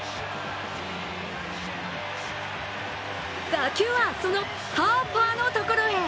打球はそのハーパーのところへ。